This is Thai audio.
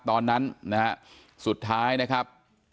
ตอนนั้นนะฮะสุดท้ายนะครับ